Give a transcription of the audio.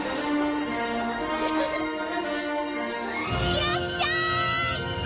いらっしゃい！